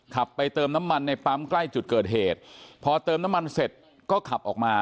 ไปเติมน้ำมันในปั๊มใกล้จุดเกิดเหตุพอเติมน้ำมันเสร็จก็ขับออกมา